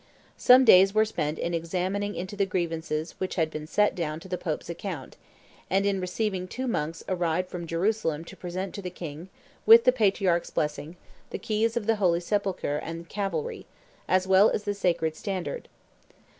Some days were spent in examining into the grievances which had been set down to the Pope's account, and in receiving two monks arrived from Jerusalem to present to the king, with the patriarch's blessing, the keys of the Holy Sepulchre and Calvary, as well as the sacred standard.